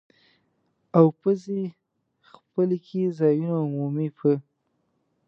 او پزې خپلې کې ځایونو عمومي په